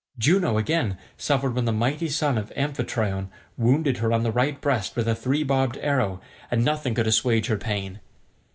Juno, again, suffered when the mighty son of Amphitryon wounded her on the right breast with a three barbed arrow, and nothing could assuage her pain.